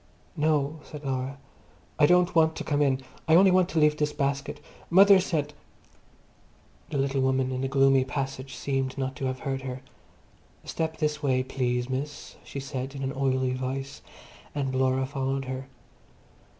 "No," said Laura, "I don't want to come in. I only want to leave this basket. Mother sent—" The little woman in the gloomy passage seemed not to have heard her. "Step this way, please, miss," she said in an oily voice, and Laura followed her.